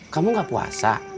kamu enggak puasa